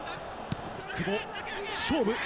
久保、勝負。